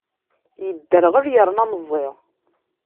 Yedderɣel yerna meẓẓi.